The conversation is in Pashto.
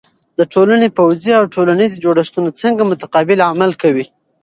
د ټولنې پوځی او ټولنیزې جوړښتونه څنګه متقابل عمل کوي؟